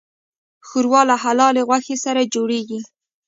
ښوروا له حلالې غوښې سره جوړیږي.